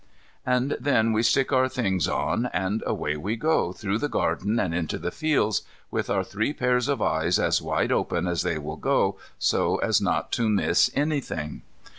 And then we stick our things on, and away we go through the garden and into the fields, with our three pairs of eyes as wide open as they will go, so as not to miss anything.